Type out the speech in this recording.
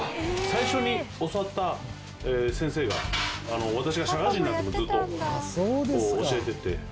最初に教わった先生が私が社会人になってもずっと教えてて。